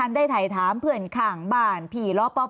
ตอนที่จะไปอยู่โรงเรียนนี้แปลว่าเรียนจบมไหนคะ